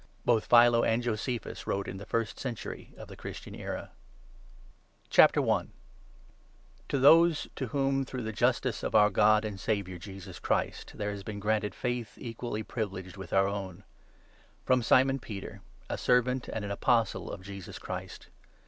Both Philo and Josephus wrote in the First Century of the Christian Era. FROM PETER. II. I. — INTRODUCTION. To those to whom, through the justice of our I God and Saviour Jesus Christ, there has Greeting. been granted faith equally privileged with our own, FROM Simon Peter, a servant and an Apostle of Jesus Christ.